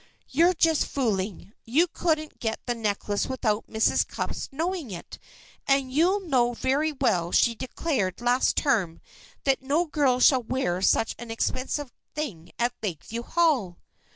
"You're just fooling. You couldn't get the necklace without Mrs. Cupp's knowing it, and you know very well she declared last term that no girl should wear such an expensive thing at Lakeview Hall."